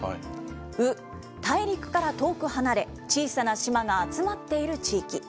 ウ、大陸から遠く離れ、小さな島が集まっている地域。